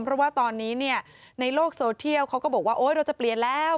เพราะว่าตอนนี้เนี่ยในโลกโซเทียลเขาก็บอกว่าโอ๊ยเราจะเปลี่ยนแล้ว